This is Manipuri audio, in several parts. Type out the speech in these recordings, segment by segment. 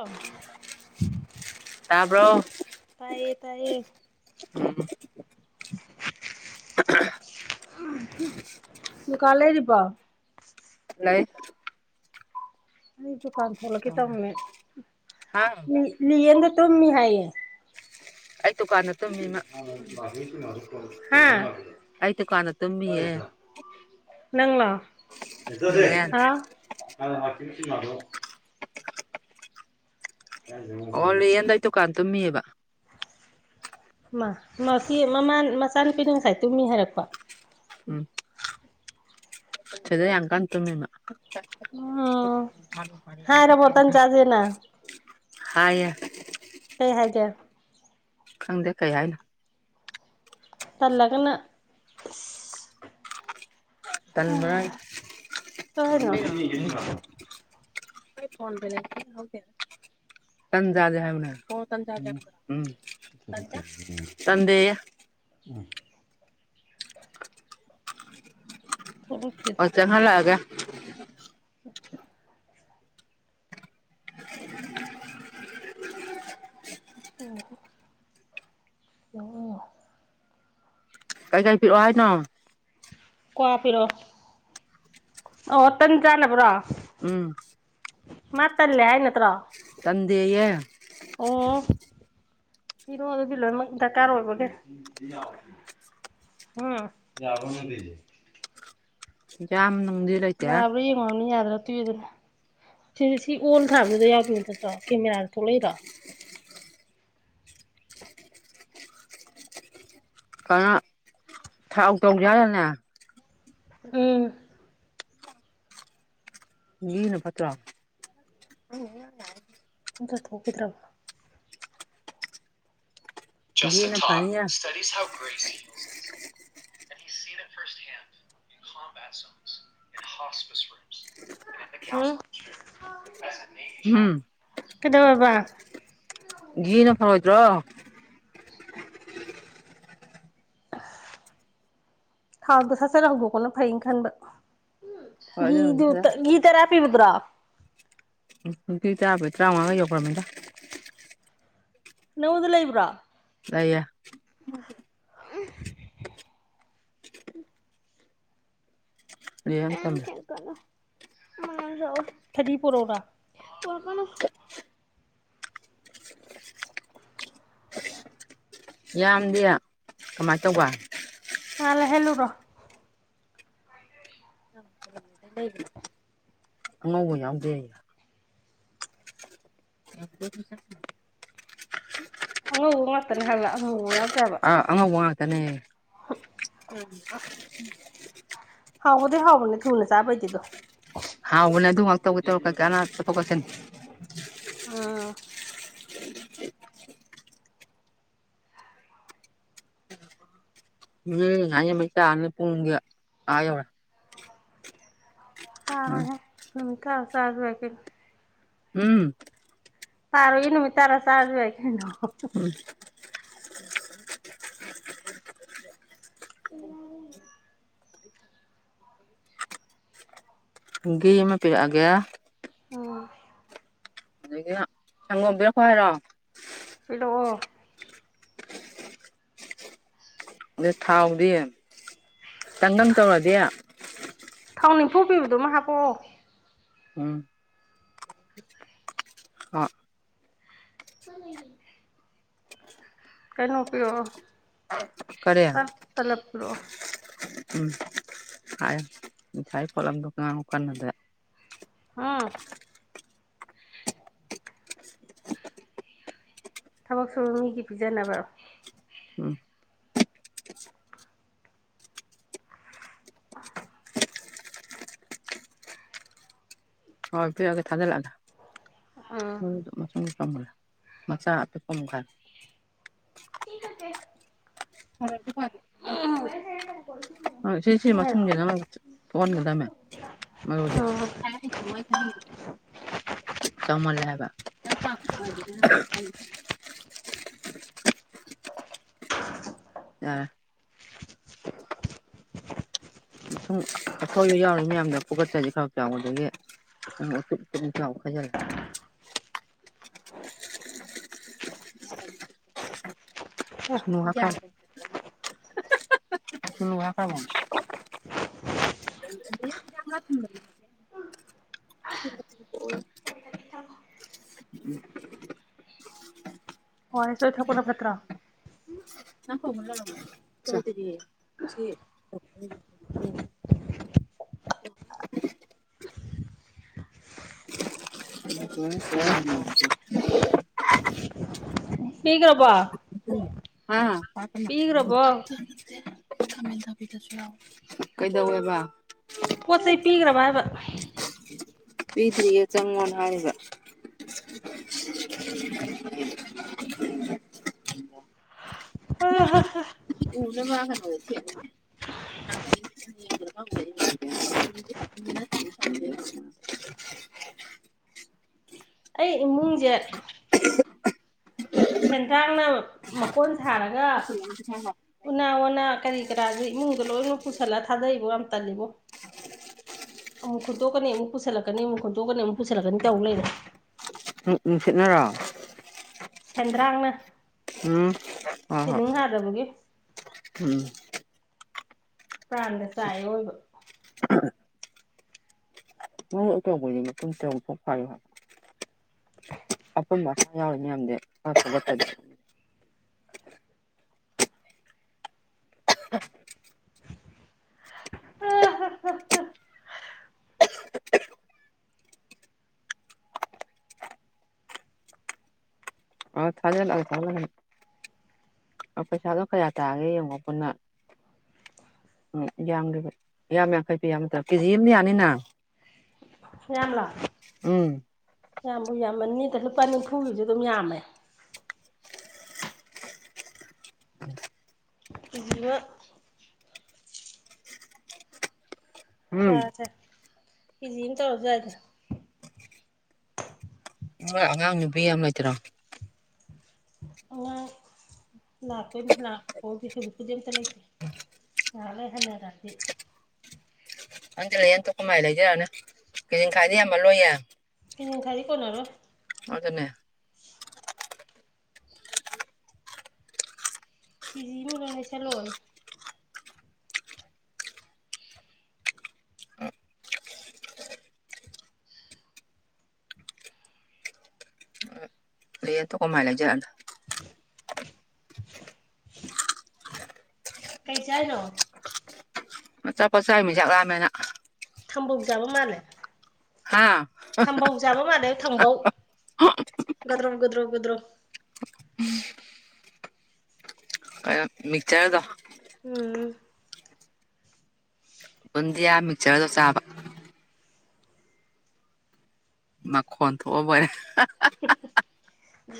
ꯑ ꯇꯥꯕ꯭ꯔꯣ ꯇꯥꯏꯌꯦ ꯇꯥꯏꯌꯦ ꯀꯂꯩꯗꯤꯄꯥ ꯍ ꯑꯩ ꯗꯨꯀꯥꯟ ꯊꯣꯛꯂꯛꯀꯦ ꯇꯧꯅꯦ ꯍꯥꯡ ꯂꯒ ꯇꯨꯝꯃꯤ ꯍꯥꯏꯌꯦ ꯑꯩ ꯗꯨꯀꯥꯟꯗ ꯇꯨꯝꯃꯤꯃ ꯑꯗꯨ ꯑꯥꯏ ꯇꯨ ꯀꯥꯟꯅ ꯇꯃꯦ ꯣ ꯑꯣ ꯂꯦꯟꯗꯥꯏ ꯗꯨꯀꯥꯟ ꯇꯝꯃꯤꯕ ꯃꯥ ꯃꯃꯥꯟ ꯃꯆꯥꯅꯨꯄꯤꯅ ꯉꯁꯥꯏ ꯇꯨꯝꯃꯤ ꯍꯥꯏꯔꯛꯄ ꯎꯝ ꯆ ꯌꯦꯡꯀꯥꯟ ꯇꯃꯤꯅ ꯎꯝ ꯍꯥꯔ ꯃꯇꯅꯤ ꯆꯖꯦꯅ ꯍꯥꯏꯌꯦ ꯀꯩ ꯍꯥꯏ ꯀꯦ ꯈꯪꯗꯦ ꯀꯩ ꯍꯥꯏꯅꯣ ꯇꯂꯒꯅ ꯇꯕꯔ ꯀꯩ ꯍꯥꯏꯅꯣ ꯇꯟꯖꯗꯦ ꯍꯥꯏ ꯆꯟꯗꯦ ꯑ ꯊꯣꯛꯂꯛꯇꯦꯗ ꯆ ꯈꯂ ꯑꯒꯦ [inaudible] [inaudible] ꯑꯣ ꯑꯣ ꯀꯩꯀꯩ ꯄꯤꯔꯛꯑꯣ ꯍꯥꯏꯅꯣ ꯀ꯭ ꯄꯤꯔꯣ ꯑꯣ ꯇꯟ ꯆꯥꯅꯕ꯭ꯔꯣ ꯎꯝ ꯃꯥ ꯇꯜꯂꯦ ꯍꯥꯏ ꯅꯠꯇ꯭ꯔꯣ ꯇꯗꯦꯌꯦꯦ ꯄꯤꯔꯣ ꯑꯗꯨ ꯐꯤꯜꯂ ꯏꯗ ꯀꯥꯔ ꯑꯣꯏꯕꯒꯦ ꯑ ꯌꯥꯕꯦ ꯌꯥꯝ ꯅ ꯌꯥꯕꯃꯅꯤ ꯌꯥ ꯨꯗꯅ ꯁꯤ ꯁꯤ ꯑꯣꯜ ꯊꯥꯕꯗ ꯌꯥꯎꯗ ꯅꯠꯇ꯭ꯔꯣ ꯀꯦꯃꯦꯔꯥꯗ ꯊꯣꯛꯂꯛꯏꯔꯣ ꯀꯅꯥ ꯊꯥꯎ ꯇꯧꯖꯔꯅꯦ ꯎꯝ ꯂꯅ ꯄꯠꯇꯥ ꯑ ꯆꯊꯣꯛꯈꯤꯗ꯭ꯔꯕ [unintelligible] [unintelligible] [unintelligible] [unintelligible] [unintelligible] [unintelligible] [unintelligible] ꯘꯤꯅ ꯐꯅꯤꯌꯦ ꯍ ꯎꯝ ꯀꯗꯧꯌꯦꯕ ꯖꯤꯅ ꯐꯔ ꯑꯣꯏꯣꯏꯗ꯭ꯔꯣ ꯊꯥꯎꯗꯣ ꯁꯠꯆꯔꯧꯕꯀꯣꯅ ꯐꯩꯅ ꯈꯟꯕ ꯎ ꯍꯣꯏ ꯒꯤ ꯑꯗꯨꯅꯕꯨꯗꯤ ꯑꯗꯨ ꯈꯔ ꯇ ꯒꯤ ꯇꯔ ꯍꯥ ꯄꯤꯕꯗ꯭ꯔꯥ ꯎ ꯑꯗꯨꯏ ꯇꯕ ꯇꯔꯥꯃꯉꯒ ꯌꯧꯈ꯭ꯔꯃꯤꯗ ꯅꯧꯗ ꯂꯩꯕ꯭ꯔꯥ [unintelligible] ꯑ ꯂꯩꯌꯦ ꯑ ꯃꯇꯝꯗ ꯊꯀꯗꯣꯣ ꯐꯔꯤ ꯄꯔꯣꯔ ꯌꯥꯝꯗꯦ ꯀꯃꯥꯏꯅ ꯇꯧꯕ ꯃꯥꯂ ꯍꯦꯜꯂꯨꯗꯣ ꯉ ꯌꯥꯝ ꯑ ꯉ ꯃꯅꯦ ꯍꯥꯏꯂ ꯍ ꯌꯥ ꯑꯥ ꯑꯉꯛ ꯋꯥ ꯉꯥꯛꯇꯅꯦ ꯍꯥꯎꯕꯗꯩ ꯍꯥꯎꯕꯅꯦ ꯊꯨꯅ ꯆꯥꯕꯩꯗꯤꯗꯣ ꯍꯥꯎ ꯎꯅ ꯑꯗꯨ ꯉ ꯇꯧꯒꯦ ꯇꯧꯔ ꯀꯊ ꯆꯠꯁꯤ ꯑꯥ ꯎꯝ ꯑꯌꯦ ꯃꯩꯇ ꯑꯅꯤꯄ ꯑ ꯑꯅꯦ ꯍꯀꯁꯗꯕ ꯎꯝ ꯇꯥꯔꯣ ꯏꯅꯃꯤ ꯇꯔꯥ ꯁꯥꯖꯕꯏ ꯀꯅ ꯍ [unintelligible] ꯒꯤꯃ ꯄꯒꯦ ꯑꯗꯒꯤ ꯁꯪꯒꯣꯝꯕꯤꯔꯣꯈꯣ ꯍꯥꯏꯔꯣ ꯍꯜꯂꯣꯑꯣ ꯑꯗ ꯊꯥꯎꯗꯤ ꯇꯪꯒꯝ ꯇꯧꯔꯗꯤ ꯊꯥꯎꯟꯅꯤꯡꯝꯐꯨ ꯄꯤꯕꯗꯨꯃ ꯍꯥꯄꯣ ꯎꯝ ꯑ ꯀ ꯂꯩ ꯂꯩ ꯀꯩꯅꯣ ꯄꯤꯌꯣ ꯀꯔꯦ ꯔꯣ ꯎꯝ ꯍꯥꯏ ꯊꯥꯏ ꯄꯂ ꯑꯃꯗ ꯀꯥꯟ ꯀꯥꯟ ꯅꯗ ꯍꯥꯥ ꯊꯕꯛ ꯁꯨꯔ ꯃꯤꯒꯤ ꯄꯤꯖꯅꯕ ꯎꯝ ꯍꯣꯏ ꯄꯤꯔꯑꯒ ꯊꯥꯖꯤꯜꯂꯛꯑꯒ ꯎꯝ ꯀ ꯃꯆꯥꯆꯥ ꯑꯗꯨ ꯀꯝꯒꯥꯜ ꯊꯁꯦ ꯐꯔ ꯑꯗꯨ ꯐꯔꯦꯦ ꯑ ꯁꯤ ꯏꯁꯤꯡ ꯁꯤꯃꯥ ꯍꯩꯔꯛꯑꯣ ꯊꯣꯡꯒꯦꯅ ꯊꯣꯟꯒꯦꯗꯥꯃꯦ ꯃꯗ ꯎꯝ ꯆꯃꯜꯂ ꯍꯕ ꯑ ꯁꯨꯝ ꯑꯩꯈꯣꯏꯕ ꯌꯥꯎꯔ ꯃꯌꯥꯝꯗ ꯄꯨꯀꯠꯆꯁꯦ ꯈꯔ ꯆꯥꯎꯕ ꯑꯗꯒꯤ ꯎꯆ ꯆꯥꯎ ꯈ ꯎꯝ [unintelligible] ꯁꯅꯨꯍ ꯀ ꯁꯅꯨꯍ ꯀꯃ [unintelligible] [unintelligible] ꯎꯝ ꯍꯁꯨ ꯏ ꯊ ꯄꯨꯅ ꯐꯠꯇ꯭ꯔꯥ ꯑ ꯐꯉꯂꯛꯇꯔꯤꯌꯦ ꯐ ꯆ ꯀꯤꯀ꯭ꯔꯄꯥ ꯑ ꯌꯥ ꯀꯩꯗꯧꯋꯦꯕ ꯄꯣꯠ ꯆꯩ ꯄꯤꯈ꯭ꯔꯕ ꯍꯥꯏꯕ ꯄꯤꯗ꯭ꯔꯤꯌꯦ ꯆꯪꯉꯣ ꯍꯥꯏꯕ [inaudible] ꯎꯗ ꯁꯤꯦ ꯊ ꯑꯩ ꯏꯃꯨꯡꯁꯦ ꯁꯦꯟꯗꯥꯡꯅ ꯃꯀꯣꯟ ꯊꯔꯒ ꯊ ꯎꯅꯥ ꯋꯥꯅꯥ ꯀꯔꯤ ꯀꯔꯥꯁꯦ ꯏꯃꯨꯡꯗ ꯂꯣꯏꯅꯃꯛ ꯄꯨꯁꯜꯂꯒ ꯊꯥꯖꯩꯕꯣ ꯌꯥꯝ ꯇꯜꯂꯤꯕꯣ ꯑꯃꯨꯛ ꯈꯨꯟꯇꯣꯛꯀꯅꯤ ꯑꯃꯨꯛ ꯄꯨꯁꯜꯂꯛꯀꯅꯤ ꯑꯃꯨꯛ ꯈꯨꯟꯠꯇꯣꯛꯀꯅꯤ ꯑꯃꯨꯛ ꯄꯨꯁꯜꯂꯛꯀꯅꯤ ꯇꯧ ꯂꯩꯔꯦ ꯎꯅꯨꯡꯁꯤꯠꯅꯔꯣ ꯁꯦꯟꯗ꯭ꯔꯥꯡꯅ ꯍꯣꯏ ꯍꯣꯏ ꯁꯦꯗꯤꯡ ꯍꯥꯗꯕꯒꯤ ꯎꯝ ꯄ꯭ꯔꯥꯟꯒ ꯆꯥꯛꯑꯦ ꯑꯑꯣꯏꯕ ꯃꯣꯏ ꯀꯅꯤ ꯃꯇꯨꯡ ꯑꯃꯨꯛꯐꯥꯎ ꯐꯥꯏꯌꯨ ꯍꯥꯏ [unintelligible] ꯑꯍꯥꯍꯍ ꯑ ꯁꯖꯦꯜ ꯂꯒꯦ ꯁꯖ [unintelligible] ꯄꯩꯁꯥꯗꯣ ꯀꯌꯥ ꯇꯥꯒꯦ ꯌꯦꯡꯉꯣ ꯄꯨꯟꯅ ꯌꯥꯝ ꯌꯥꯝꯌꯥꯝ ꯌꯥꯡꯈꯩ ꯄꯤꯌꯥꯕꯗ ꯀꯦꯖꯤ ꯑꯝꯅ ꯌꯥꯅꯤꯅ ꯌꯥꯝꯂꯣ ꯎꯝ ꯌꯥꯝꯕꯨ ꯌꯥꯝ ꯌꯥꯝꯅꯤꯗ ꯂꯨꯄꯥ ꯅꯤꯝꯐꯨꯒꯤꯁꯨ ꯑꯗꯨꯝ ꯌꯥꯝꯃꯦ ꯏ ꯎꯝ ꯁꯥꯁꯦ ꯏꯖꯤ ꯑꯝ ꯇꯧꯔꯁꯨ ꯌꯥꯢꯗ ꯍꯣꯏ ꯑꯉꯥꯡ ꯅꯨꯄꯤ ꯌꯥꯝ ꯂꯩꯇ꯭ꯔꯣ ꯑꯉꯥꯡ ꯂꯥꯛꯇꯣꯏꯅꯤ ꯂꯥꯛꯄꯄꯣꯗꯤ ꯍꯧꯖꯤꯛꯄꯨꯗꯤ ꯑꯝꯇ ꯂꯩꯇ꯭ꯔꯤ ꯌꯥꯂꯦ ꯍꯟꯅ ꯅꯇꯤ ꯍꯪꯗꯤ ꯂꯩꯌꯦꯟꯇ ꯀꯃꯥꯏ ꯂꯩꯖꯔꯅꯤ ꯀꯦꯖꯤꯡꯈꯥꯏꯗꯤ ꯌꯥꯃꯜꯂꯣꯏꯌꯦ ꯄꯤꯖꯤꯡ ꯈꯥꯢꯗꯤ ꯀꯣꯟꯅꯔꯣꯢ ꯃꯥꯗꯅꯦ ꯄꯤꯖꯤ ꯃꯑꯣꯢꯅ ꯂꯩꯁꯤꯜꯂꯣ ꯂꯩꯌꯦ ꯑꯇꯣꯞꯄ ꯃꯥꯏ ꯂꯩꯖꯔꯅꯤ ꯀꯔꯤ ꯆꯥꯠꯅꯣ ꯑꯆꯥꯄꯣꯠ ꯆꯥꯢꯃꯤ ꯆꯥꯛꯂꯥꯃꯦꯅ ꯊꯝꯕꯧ ꯆꯥꯕ ꯃꯥꯂꯦ ꯍꯥꯥ ꯊꯝꯕꯧ ꯒꯗ꯭ꯔꯣꯡ ꯒꯗ꯭ꯔꯣ ꯒꯗ꯭ꯔꯣꯡ ꯀꯩꯅꯣ ꯃꯤꯛꯆꯔꯗꯣ ꯎꯝ ꯕꯨꯟꯗꯤꯌꯥ ꯃꯤꯛꯆꯔꯗꯣ ꯆꯥꯕ ꯈꯣꯟꯊꯣꯛꯑꯕꯣꯢꯔꯦ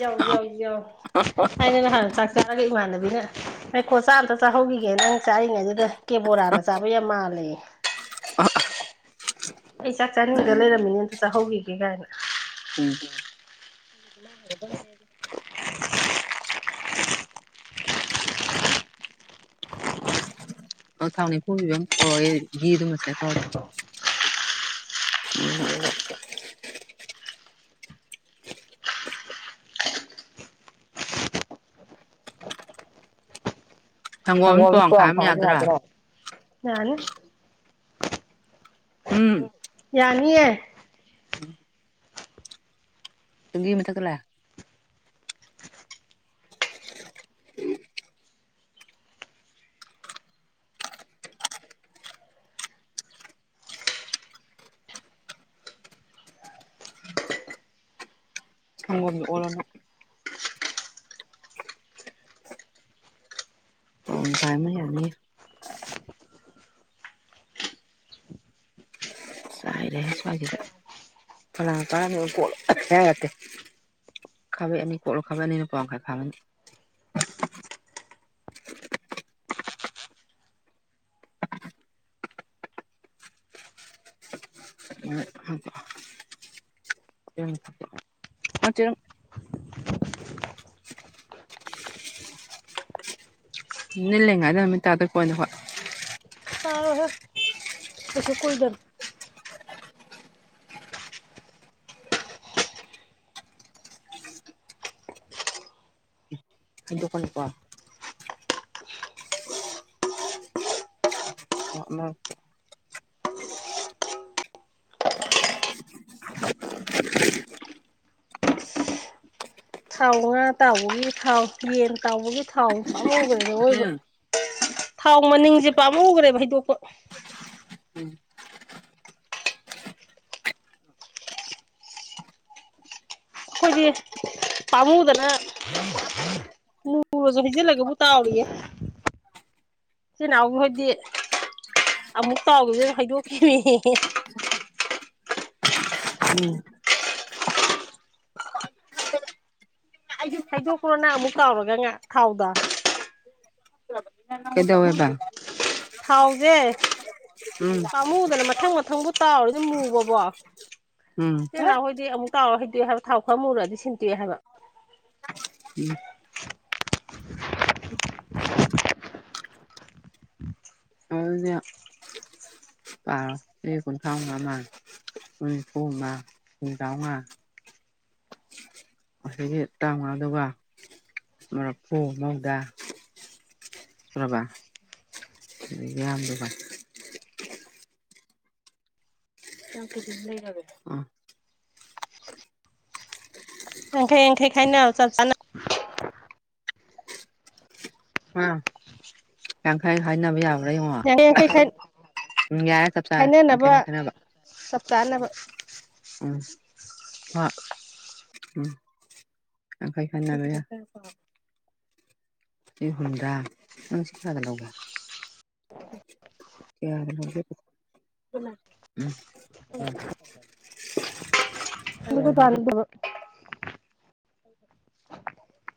ꯌꯧ ꯌꯧ ꯌꯧ ꯊꯥꯏꯅ ꯅꯍꯥꯟ ꯆꯥꯛ ꯆꯥꯔꯒ ꯏꯃꯥꯟꯅꯕꯤꯅ ꯑꯩꯈꯣ ꯆꯥ ꯑꯝꯇ ꯆꯥꯍꯧꯕ ꯆꯪꯈꯤꯒꯦ ꯅꯪ ꯆꯥꯔꯤꯉꯩꯗꯨꯗ ꯀꯦꯕꯣꯔꯥꯅ ꯆꯥꯕ ꯌꯥꯝ ꯃꯥꯜꯂꯦꯌꯦ ꯎꯝ ꯑꯩ ꯆꯥꯛ ꯆꯥꯅꯤꯡꯗ ꯂꯩꯔꯝꯃꯤꯅꯦ ꯑꯝꯇ ꯆꯥꯍꯧꯈꯤꯒꯦ ꯀꯥꯏꯅ ꯎꯝ ꯑꯣ ꯊꯥꯎ ꯅꯤꯐꯨ ꯄꯤꯕ ꯑꯃ ꯄꯔꯛꯑꯣ ꯘꯤꯗꯨꯃꯁꯦ ꯈꯔꯗꯣ ꯎꯝ [unintelligible] ꯁꯪꯒꯣꯝ ꯄꯣꯋꯥ ꯃꯈꯥꯏ ꯄꯧꯋꯥꯝ ꯑꯃ ꯈꯥꯏꯅ ꯌꯥꯗ꯭ꯔꯥ ꯌꯥꯗꯣꯏꯔꯣ ꯌꯥꯅꯤ ꯎꯝ ꯌꯥꯅꯤꯌꯦ [unintelligible] ꯃꯊꯛꯇ [unintelligible] ꯁꯪꯒꯣꯝꯗꯣ ꯑꯣꯜꯂꯣꯅꯪ ꯄꯧꯋꯥ ꯈꯥꯏꯃꯅ ꯌꯥꯅꯤ ꯆꯥꯏꯔꯦꯍꯦ ꯁ꯭ꯋꯥꯏꯁꯤꯗ ꯐꯂꯥꯡ ꯇꯥꯔꯝ ꯀꯣꯠꯂ ꯍꯥꯏꯔꯛꯀꯦ ꯈꯥꯕꯩ ꯑꯅꯤ ꯀꯣꯠꯂꯣ ꯈꯥꯕꯩ ꯑꯅꯤꯅ ꯄꯧꯋꯥ ꯃꯈꯥꯏ ꯐꯥꯕꯅꯤ [unintelligible] [unintelligible] ꯆꯦꯅꯪ ꯊꯛꯄꯔꫭ ꯑꯥ ꯆꯦꯔꯪ ꯅꯤꯜꯂꯤ ꯉꯩꯏꯗ ꯅꯨꯃꯤ ꯇꯥꯗꯣꯏ ꯄꯣꯠꯅꯤ ꯑꯈꯣꯏ ꯀꯩꯁꯨ ꯀꯨꯏꯗꯝꯅꯦ ꯍꯩꯗꯣꯛꯀꯅꯤ ꯀꯣ ꯑꯃ ꯊꯥꯎ ꯉꯥ ꯇꯥꯎꯕꯒꯤ ꯊꯥꯎ ꯌꯦꯟ ꯇꯥꯎꯕꯒꯤ ꯊꯥꯎ ꯊꯥꯎ ꯃꯨꯒ꯭ꯔꯦ ꯑꯑꫭꯏꯕ ꯊꯥꯎ ꯃꯅꯤꯡꯖꯦ ꯄꯥꯝꯃꯨꯒ꯭ꯔꯦꯕ ꯍꯩꯗꯣꯛꯄ ꯑꯩꯈꯣꯏꯗꯤ ꯄꯥꯝꯃꯨꯗꯅ ꯃꯨꯔꯖꯨ ꯍꯩꯖꯜꯂꯒꯕꯨ ꯇꯥꯥꯎꯔꯤꯌꯦ ꯏꯆꯦ ꯅꯥꯎꯕ ꯍꯣꯏꯗꯤ ꯑꯃꯨꯛ ꯇꯥꯎꯕꯒꯤꯅ ꯍꯩꯗꯣꯛꯈꯤꯌꯦ ꯍꯩꯗꯣꯛꯄ꯭ꯔꯣ ꯅꯪ ꯑꯃꯨꯛ ꯇꯥꯎꯔꯒ ꯉꯥ ꯊꯥꯎꯗꯣ ꯀꯩꯗꯧꯋꯦꯕ ꯊꯥꯎꯁꯦ ꯎꯝ ꯄꯥꯝꯃꯨꯗꯅ ꯃꯊꯪ ꯃꯊꯪ ꯊꯪꯕꯨ ꯇꯥꯎꯔꯗꯤ ꯃꯨꯕꯕꫭ ꯎꯝ ꯏꯆꯦ ꯅꯥꯎ ꯍꯣꯏꯗꯤ ꯑꯃꯨꯛ ꯇꯥꯎꯔ ꯍꯩꯗꯣꯛꯑꯦ ꯍꯥꯏꯕ ꯊꯥꯎ ꯈꯔ ꯃꯨꯔꯗꯤ ꯁꯤꯟꯇꯣꯛꯑꯦ ꯍꯥꯏꯕ ꯎꯝ ꯑꯗꯨꯗꯤ ꯁꯦ ꯀꯨꯟꯊꯥꯎ ꯉꯥ ꯑꯃ ꯅꯤꯝꯐꯨ ꯑꯃ ꯍꯨꯝꯗ꯭ꯔꯥꯉꯥ ꯑꯁꯤꯒꯤ ꯇꯔꯥꯡꯉꯥꯗꯨꯒ ꯃꯔꯐꯨ ꯃꯧꯗꯔ ꯁꯨꯔꯕ ꯌꯥꯝꯗꯦꯀꫭ ꯌꯥꯝ ꯀꯦꯖꯤꯃ ꯂꯩꯔꯔꯦ ꯑ ꯌꯥꯡꯈꯩ ꯌꯥꯡꯈꯩ ꯈꯥꯏꯅꯧ ꯆꯞ ꯆꯥꯅ ꯑꯥ ꯌꯥꯡꯈꯩ ꯈꯥꯏꯅꯕ ꯌꯥꯕ ꯕ꯭ꯔ ꯌꯦꯡꯉꯣ ꯌꯥꯡꯈꯩ ꯌꯥꯡꯈꯩ ꯎꯝ ꯌꯥꯔꯦ ꯆꯞ ꯆꯥꯔꯦ ꯌꯥꯝꯈꯩ ꯌꯥꯡꯈꯩ ꯈꯥꯏꯅꯕ ꯇꯥꯟꯅꯕ ꯎꯝ ꯍꯥ ꯎꯝ ꯑꯈꯣꯏ ꯈꯟꯅꯕ ꯌꯥꯏ ꯁꯤ ꯍꯨꯝꯗꯔ ꯅꯪꯁꯤ ꯀꯌꯥꯗ ꯂꯧꯒꯦ ꯀꯌꯥꯗꯅꫭ ꯂꯦꯞꯄꯨ ꯄꯨꯟꯅ ꯎꯝ ꯈꯧꯒꯔꯦ ꯑꯩ ꯑꯗꯨꯒ ꯆꯥꯝꯗꯕ [unintelligible]